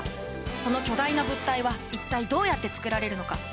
その巨大な物体は一体どうやって作られるのか。